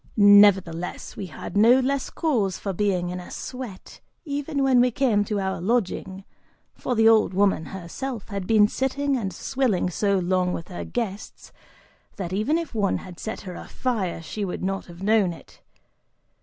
Nevertheless, we had no less cause for being in a sweat even when we came to our lodging, for the old woman herself had been sitting and swilling so long with her guests that even if one had set her afire, she would not have known it.